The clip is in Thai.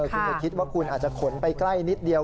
คุณจะคิดว่าคุณอาจจะขนไปใกล้นิดเดียว